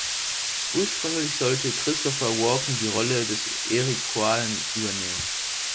Ursprünglich sollte Christopher Walken die Rolle des Eric Qualen übernehmen.